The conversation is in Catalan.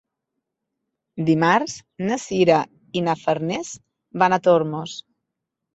Dimarts na Sira i na Farners van a Tormos.